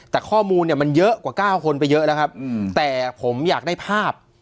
แต่ข้อมูลเนี่ยมันเยอะกว่า๙คนไปเยอะแล้วครับแต่ผมอยากได้ภาพ